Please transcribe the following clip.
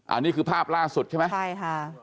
อันนี้คือภาพล่าสุดใช่ไหมใช่ค่ะ